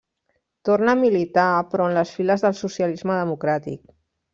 Torna a militar però en les files del socialisme democràtic.